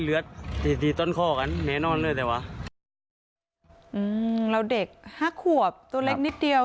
อืมแล้วเด็ก๕ขวบตัวเล็กนิดเดียว